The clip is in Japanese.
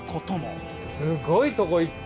すごいとこ行って。